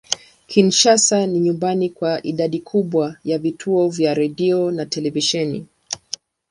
Kinshasa ni nyumbani kwa idadi kubwa ya vituo vya redio na televisheni.